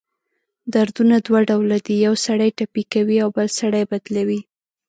دردونه دوه ډؤله دی: یؤ سړی ټپي کوي اؤ بل سړی بدلؤي.